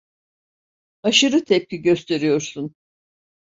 Aşırı tepki gösteriyorsun.